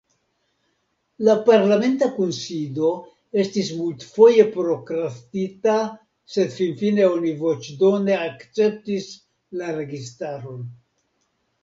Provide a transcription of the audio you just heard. La parlamenta kunsido estis multfoje prokrastita sed finfine oni voĉdone akceptis la registaron.